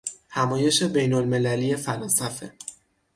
همایش بینالمللی فلاسفه